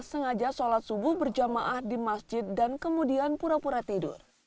sengaja sholat subuh berjamaah di masjid dan kemudian pura pura tidur